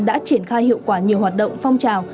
đã triển khai hiệu quả nhiều hoạt động phong trào